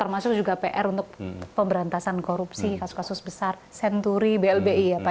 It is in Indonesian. termasuk juga pr untuk pemberantasan korupsi kasus kasus besar senturi blbi ya pak